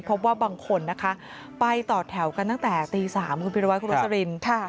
บางคนนะคะไปต่อแถวกันตั้งแต่ตี๓คุณพิรวัตรคุณโรสลิน